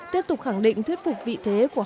tiếp tục khẳng định thuyết phục vị thế của học sinh